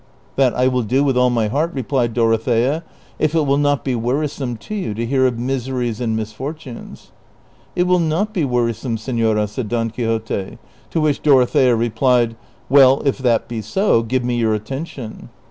" That I will do with all my heart," replied Dorothea, '• if it will iu:)t be wearisome to you to hear of miseries and mis fortunes." " It will not be wearisome, senora," said Don Quixote ; to which Dorothea replied, " Well, if that be so, give me your attention."